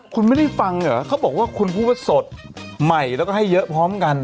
คุณไม่ได้ฟังเหรอเขาบอกว่าคุณพูดว่าสดใหม่แล้วก็ให้เยอะพร้อมกัน